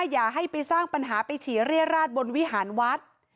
อย่าให้ไปสร้างปัญหาไปฉี่เรียราชบนวิหารวัด